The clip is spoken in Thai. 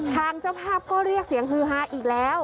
ทางเจ้าภาพก็เรียกเสียงฮือฮาอีกแล้ว